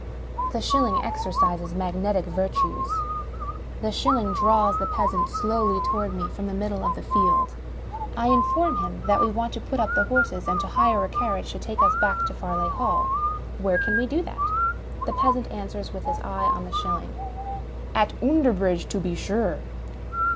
The shilling exercises magnetic virtues. The shil ling draws the peasant slowly toward me from the middle of the field. I inform him that we want to put up the horses and to hire a carriage to take us back to Farleigh Hall. Where can we do that ? The peasant answers (with his eye on the shilling) : "At Oonderbridge, to be zure."